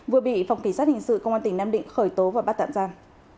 vừa bị phòng kỳ sát hình sự công an tỉnh nam định khởi tố và bắt tạm giam